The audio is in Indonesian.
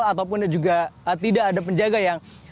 ataupun juga tidak ada penjaga yang